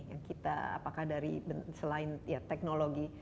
yang kita apakah dari selain ya teknologi